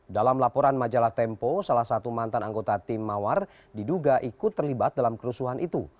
dalam laporan majalah tempo salah satu mantan anggota tim mawar diduga ikut terlibat dalam kerusuhan itu